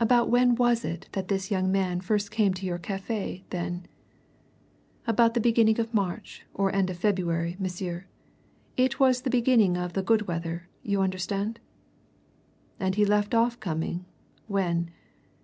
"About when was it that this young man first came to your cafe, then?" "About the beginning of March, or end of February, monsieur it was the beginning of the good weather, you understand." "And he left off coming when?"